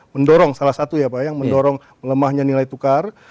mendorong salah satu ya pak yang mendorong melemahnya nilai tukar